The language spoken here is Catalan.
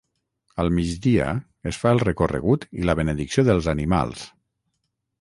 Al migdia es fa el recorregut i la benedicció dels animals.